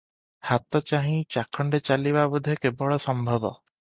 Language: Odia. ହାତଚାହିଁ ଚାଖଣ୍ଡେ ଚାଲିବା ବୋଧେ କେବଳ ସମ୍ଭବ ।